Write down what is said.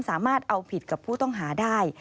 สามารถเอาผิดกับผู้ต้องหาได้